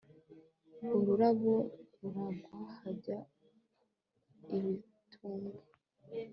ururabo ruragwa hajya ibitumbwe